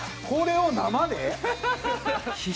これを生で？